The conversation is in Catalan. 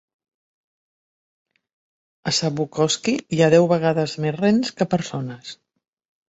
A Savukoski hi ha deu vegades més rens que persones.